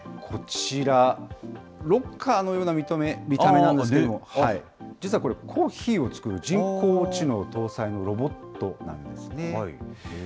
こちら、ロッカーのような見た目なんですけれども、実はこれ、コーヒーを作る人工知能搭載のロボットなんですね。